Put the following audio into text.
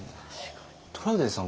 トラウデンさん